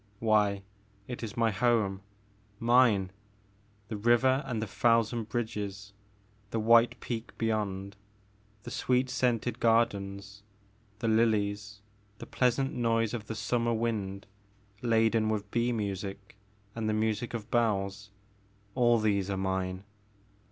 Why, it is my home, — mine ! The river and the thousand bridges, the white peak beyond, the sweet scented gar dens, the lilies, the pleasant noise of the summer wind laden with bee music and the music of bells, — all these are mine.